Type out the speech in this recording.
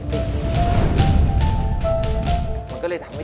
มันก็เลยทำให้ทุกอย่างดูมั่วซั่วอยู่ตรงนี้